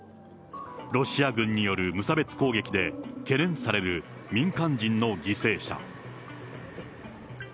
ロシア軍による無差別攻撃で、懸念される民間人の犠牲者。